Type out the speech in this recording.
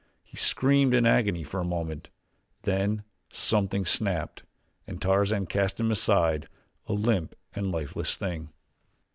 He screamed in agony for a moment then something snapped and Tarzan cast him aside, a limp and lifeless thing.